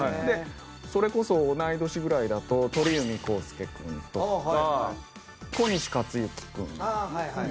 それこそ同い年ぐらいだと鳥海浩輔君とか小西克幸君で。